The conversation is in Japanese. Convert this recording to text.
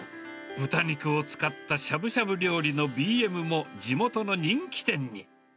豚肉を使ったしゃぶしゃぶ料理のＢ＆Ｍも地元の人気店に。